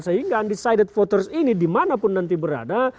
sehingga undecided voters ini dimanapun nanti berada